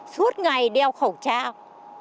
suốt ngày đeo khẩu trang